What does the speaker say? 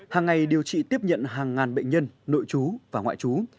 hàng ngày điều trị tiếp nhận hàng ngàn bệnh nhân nội chú và ngoại trú